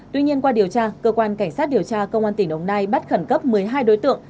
tuy nhiên qua điều tra cơ quan cảnh sát điều tra công an tỉnh đồng nai bắt khẩn cấp một mươi hai đối tượng